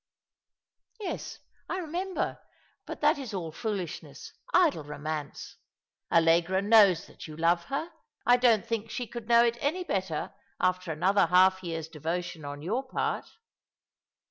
"Yes, I remember; but that is all foolishness — idle romance. Allegra knows that you love her. I don't think she could know it any better after another half year's devotion on your part."